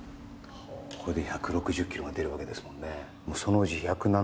これで１６０キロが出るわけですもんね